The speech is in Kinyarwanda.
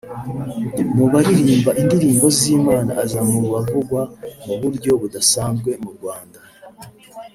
Mu baririmba indirimbo z’Imana aza mu bavugwa mu buryo budasanzwe mu Rwanda